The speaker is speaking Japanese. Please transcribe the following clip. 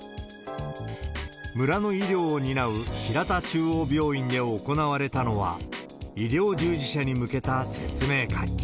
村の医療を担うひらた中央病院で行われたのは、医療従事者に向けた説明会。